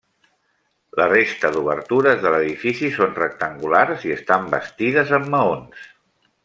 La resta d'obertures de l'edifici són rectangulars i estan bastides amb maons.